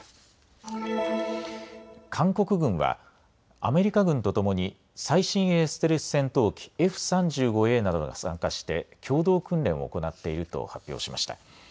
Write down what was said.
韓国軍はアメリカ軍とともに最新鋭ステルス戦闘機Ｆ３５Ａなどが参加して共同訓練を行っていると発表しました。